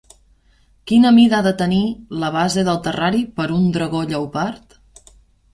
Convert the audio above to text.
Quina mida ha de tenir la base del terrari per un dragó lleopard?